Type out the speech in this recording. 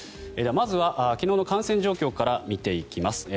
まずは昨日の感染状況から見ていきます。